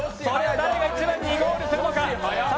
誰が１番にゴールするのか。